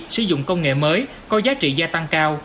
sử dụng công nghệ mới có giá trị gia tăng cao